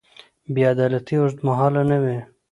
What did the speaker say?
بې عدالتي اوږدمهاله نه وي